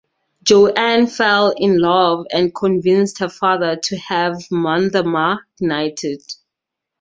Joan fell in love and convinced her father to have Monthermer knighted.